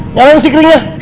nyalain si keringnya